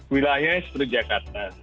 wilayahnya seperti jakarta